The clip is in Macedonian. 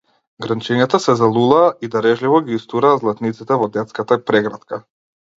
Гранчињата се залулаа и дарежливо ги истураа златниците во детската прегратка.